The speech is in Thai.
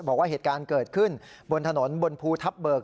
บอกว่าเหตุการณ์เกิดขึ้นบนถนนบนภูทับเบิก